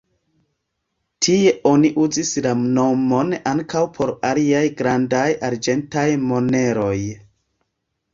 Tie oni uzis la nomon ankaŭ por aliaj grandaj arĝentaj moneroj.